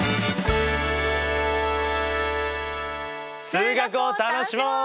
数学を楽しもう！